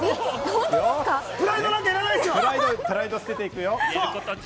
プライド捨てていくよ。